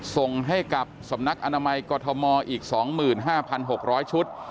ส่งให้กับสำนักอนามัยกรทมอีก๒๕๖๐๐ชุด